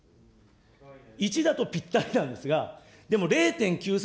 １だとぴったりなんですが、でも０．９３、